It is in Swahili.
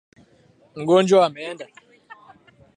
Mgonjwa ameenda